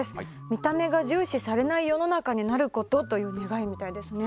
見た目が重視されない世の中になることという願いみたいですね。